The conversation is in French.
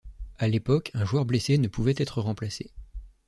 À l'époque, un joueur blessé ne pouvait être remplacé.